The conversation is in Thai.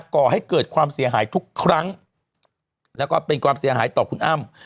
ก่อให้เกิดความเสียหายทุกครั้งแล้วก็เป็นความเสียหายต่อคุณอ้ำ